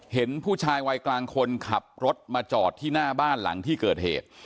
เห็นผู้ชายวัยกลางคนขับรถมาจอดที่หน้าบ้านหลังที่เกิดเหตุ